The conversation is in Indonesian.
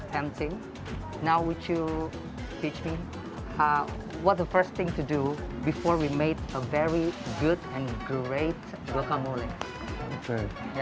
sekarang bisa anda mengajari saya apa yang harus dilakukan sebelum membuat guacamole yang sangat baik dan hebat